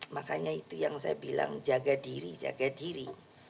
makanya itu yang saya bilang jaga diri jaga diri